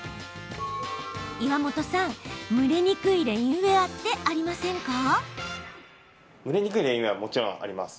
岩本さん、蒸れにくいレインウエアってありませんか？